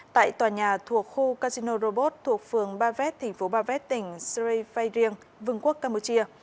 tại tòa nhà thuộc khu casino robot thuộc phường ba vét thành phố ba vét tỉnh srei phae riêng vương quốc campuchia